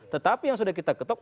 tetapi yang sudah kita ketok